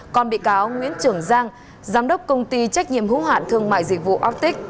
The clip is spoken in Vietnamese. còn bị cáo nguyễn trường giang giám đốc công ty trách nhiệm hữu hạn thương mại dịch vụ oftic